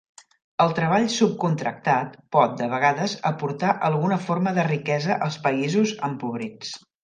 El treball subcontractat pot, de vegades, aportar alguna forma de riquesa als països empobrits.